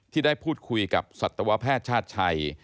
ที่ได้พูดคุยกับสัตวแพทย์ชาติชัย